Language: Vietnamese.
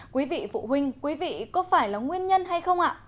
quý vị phụ huynh quý vị có phải là nguyên nhân hay không ạ